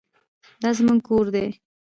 دا زموږ کور دی